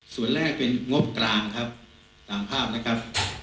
ส่วนแรกเป็นงบกลางครับตามภาพนะครับ